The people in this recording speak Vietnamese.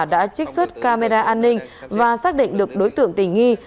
đã trích xuất camera an ninh và xác định được đối tượng tình nghi